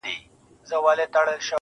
دا سپوږمۍ وينې.